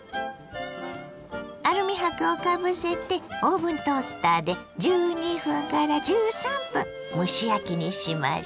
アルミ箔をかぶせてオーブントースターで１２１３分蒸し焼きにしましょ。